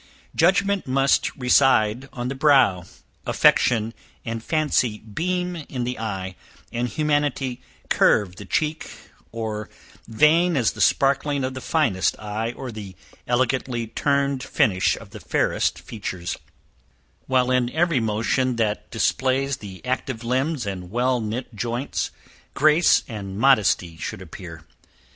Judgment must reside on the brow, affection and fancy beam in the eye, and humanity curve the cheek, or vain is the sparkling of the finest eye or the elegantly turned finish of the fairest features; whilst in every motion that displays the active limbs and well knit joints, grace and modesty should appear.